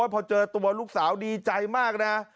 พอเจอตัวลูกสาวดีใจมากนะ